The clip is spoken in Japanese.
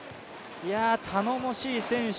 頼もしい選手